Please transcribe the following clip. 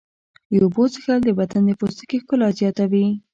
د اوبو څښل د بدن د پوستکي ښکلا زیاتوي.